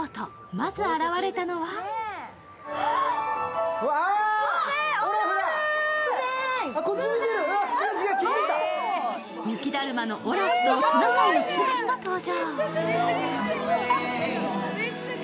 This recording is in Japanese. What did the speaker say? まず現れたのは雪だるまのオラフとトナカイのスヴェンが登場。